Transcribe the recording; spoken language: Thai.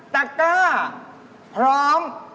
ตะก้าพร้อม